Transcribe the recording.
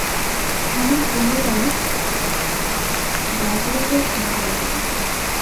আমি পুনরায় ব্যাগলিদের সঙ্গে আছি।